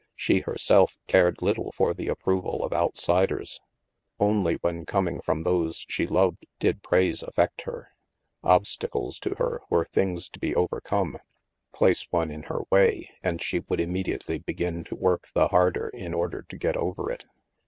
She, herself, cared little for the approval of outsiders; only when coming from those she loved did praise affect her. Obstacles, to her, were things to be overcome. Place one in her way, and she would immediately begin to work the harder, in order to get over it.